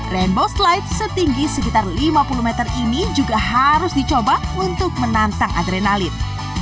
rainbow slide setinggi sekitar lima puluh meter ini juga harus dicoba untuk menantang adrenalin